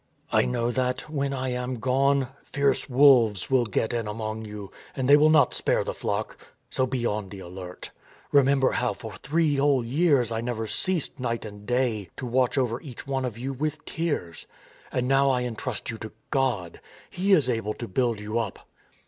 ... I know that, when I am gone, fierce wolves will get in among you, and they will not spare the flock. ... So be on the alert. Remember how for three whole years I never ceased night and day to watch over each one of you with tears. And now I entrust you to God. ... He is able to build you up.